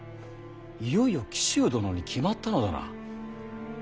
いよいよ紀州殿に決まったのだな。